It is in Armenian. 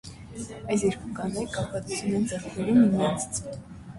Այս երկու կանայք կախվածություն են ձեռք բերում միմյանցից։